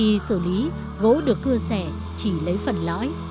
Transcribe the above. sau khi xử lý gỗ được cưa sẻ chỉ lấy phần lõi